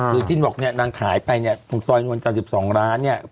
คือที่บอกนางขายไปเนี่ยตรงซอยนวล๔๒ร้านเนี่ย